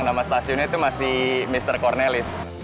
nama stasiunnya itu masih mr cornelis